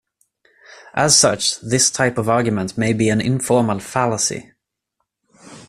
As such, this type of argument may be an informal fallacy.